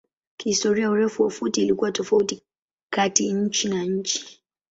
Kihistoria urefu wa futi ilikuwa tofauti kati nchi na nchi.